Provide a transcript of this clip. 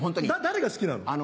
誰が好きなの？